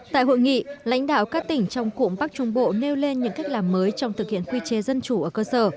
tại hội nghị lãnh đạo các tỉnh trong cụm bắc trung bộ nêu lên những cách làm mới trong thực hiện quy chế dân chủ ở cơ sở